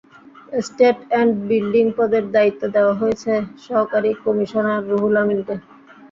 State and building পদের দায়িত্ব দেওয়া হয়েছে সহকারী কমিশনার রুহুল আমিনকে।